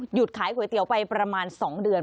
ขายก๋วยเตี๋ยวไปประมาณ๒เดือน